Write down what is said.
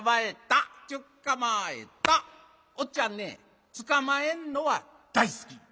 おっちゃんねつかまえんのは大好き。